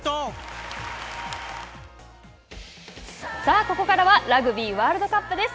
さあここからは、ラグビーワールドカップです。